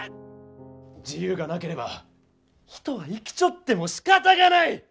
自由がなければ人は生きちょってもしかたがない！